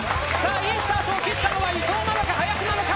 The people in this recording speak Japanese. いいスタートを切ったのは伊藤ママか、林ママか。